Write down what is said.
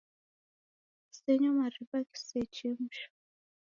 Kusenyo mariw'a ghisechemshiro